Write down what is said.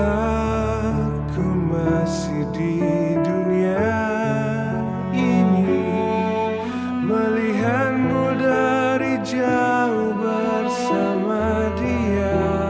aku masih di dunia ini melihatmu dari jauh bersama dia